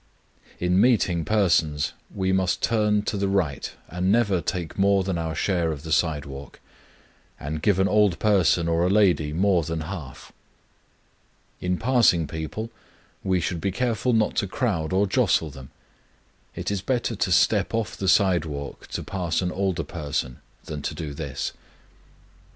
In meeting persons, we must turn to the right, and never take more than our share of the sidewalk, and give an old person or a lady more than half. In passing people, we should be careful not to crowd or jostle them; it is better to step off the sidewalk to pass an older person than to do this.